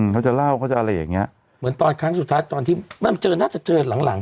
เขาจะเล่าเขาจะอะไรอย่างเงี้ยเหมือนตอนครั้งสุดท้ายตอนที่มันเจอน่าจะเจอหลังหลัง